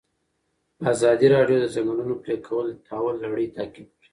ازادي راډیو د د ځنګلونو پرېکول د تحول لړۍ تعقیب کړې.